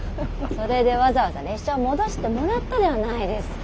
それでわざわざ列車を戻してもらったではないですか。